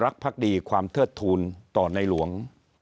พักดีความเทิดทูลต่อในหลวง